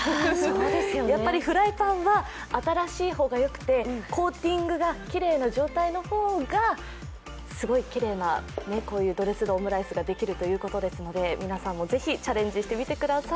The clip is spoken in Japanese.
やっぱりフライパンは新しい方がよくてコーティングがきれいな状態の方が、すごいきれいなドレスドオムライスができるということですので皆さんもぜひチャレンジしてみてください。